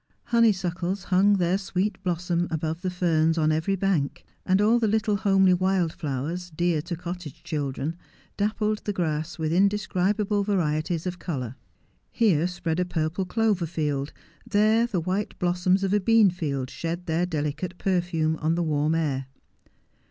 Honeysuckles hung their sweet blossom above the ferns on every bank, and all the little homely wild flowers, dear to cottage children, dappled the grass with indescribable varieties of colour. Here spread a purple clover field ; there the white blossoms of a bean field shed their delicate perfume on the warm air.